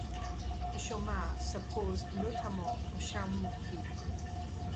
Le Chaumas s’oppose notamment au Chaumurky.